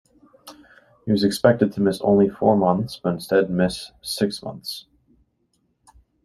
He was expected to miss only four months, but instead miss six months.